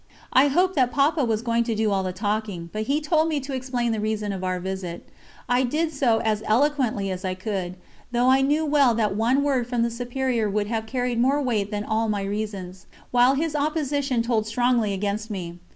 I hoped that Papa was going to do all the talking, but he told me to explain the reason of our visit. I did so as eloquently as I could, though I knew well that one word from the Superior would have carried more weight than all my reasons, while his opposition told strongly against me.